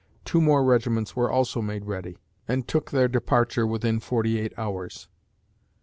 Two more regiments were also made ready, and took their departure within forty eight hours."